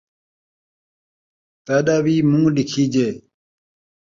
تیݙا وی مونہہ ݙکھیجے